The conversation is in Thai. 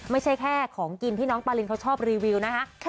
ไม่ใช่แค่ของกินที่น้องปารินเขาชอบรีวิวนะคะ